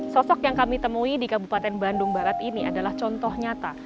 sosok yang kami temui di kabupaten bandung barat ini adalah contoh nyata